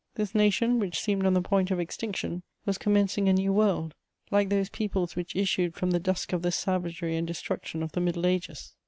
This nation, which seemed on the point of extinction, was commencing a new world, like those peoples which issued from the dusk of the savagery and destruction of the Middle Ages.